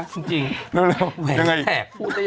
พูดได้อย่างนี้